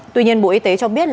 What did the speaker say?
tuy nhiên bộ y tế cho biết